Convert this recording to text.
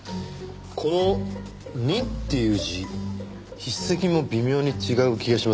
この「２」っていう字筆跡も微妙に違う気がしません？